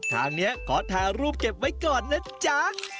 ทางนี้ขอถ่ายรูปเก็บไว้ก่อนนะจ๊ะ